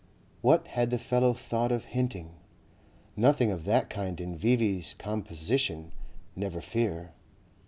What had the fellow thought of hinting? Nothing of that kind in V.V.'s composition, never fear.